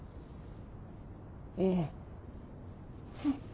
うん。